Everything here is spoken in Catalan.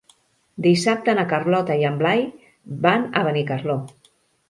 Dissabte na Carlota i en Blai van a Benicarló.